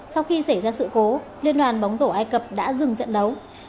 sau khi xảy ra sự cố liên đoàn bóng rổ ai cập đã dừng trận đấu